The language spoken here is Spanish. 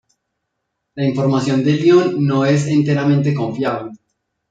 La información de Lyon no es enteramente confiable.